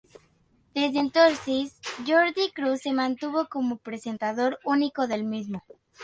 Desde entonces, Jordi Cruz se mantuvo como presentador único del mismo.